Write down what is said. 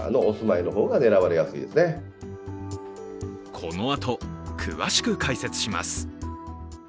このあと詳しく解説します。